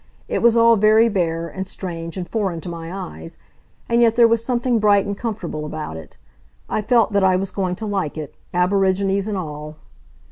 It was all very bare, and strange and foreign to my eyes, and yet there was something bright and comfortable about it. I felt that I was going to like it, aborigines and all.